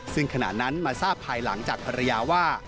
ซึ่งขณะนั้นมาทราบภายหลังจากภรรยาว่า